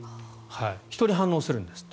人に反応するんですって。